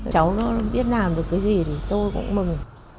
cháu biết làm được cái gì tôi cũng mừng